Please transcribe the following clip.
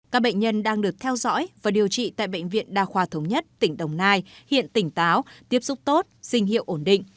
các bệnh nhân đang được theo dõi và điều trị tại bệnh viện đa khoa thống nhất tỉnh đồng nai hiện tỉnh táo tiếp xúc tốt sinh hiệu ổn định